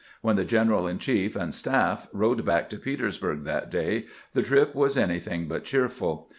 When the general in chief and staff rode back to Petersburg that day, the trip was anything but cheerful.